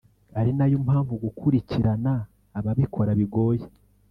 ari nayo mpamvu gukurikirana ababikora bigoye